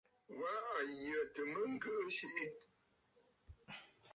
Wâ à yə̀tə̂ mə ŋgɨʼɨ siʼi.